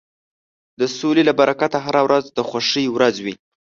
د سولې له برکته هره ورځ د خوښۍ ورځ وي.